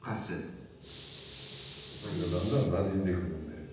これがだんだんなじんでくるんで。